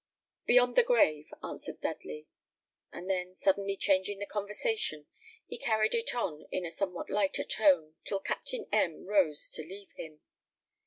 "Beyond the grave," answered Dudley; and then suddenly changing the conversation, he carried it on in a somewhat lighter tone, till Captain M rose to leave him.